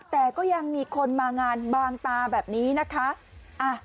แต่ก็ยังมีคนมางานบางตาแบบนี้นะคะ